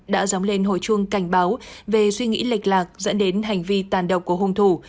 đã dóng lên hồi chuông cảnh báo về suy nghĩ lệch lạc dẫn đến hành vi tàn độc của hung thủ